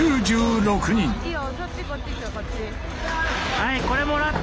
はいこれもらって！